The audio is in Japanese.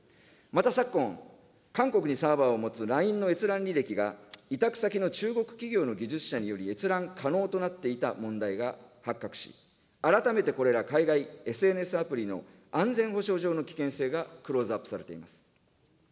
また昨今、韓国にサーバーを持つＬＩＮＥの閲覧履歴が、委託先の中国企業の技術者により閲覧可能となっていた問題が発覚し、改めてこれら海外ＳＮＳアプリの安全保障上の危険性がクローズアップされています。